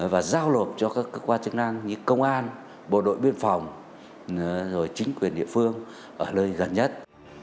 và giao lộp cho các cơ quan chức năng như công an bộ đội biên phòng rồi chính quyền địa phương ở nơi gần nhất